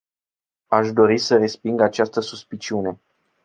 Aș dori să resping această suspiciune.